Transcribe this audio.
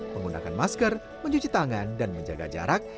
menggunakan masker mencuci tangan dan menjaga jarak